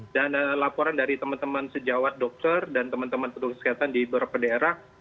laporan dari teman teman sejawat dokter dan teman teman petugas kesehatan di beberapa daerah